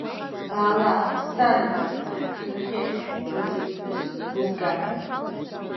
Баала, санаӡӡеи, аҳҭынрахьы, маҵуҩ ԥҳәысс бызгап.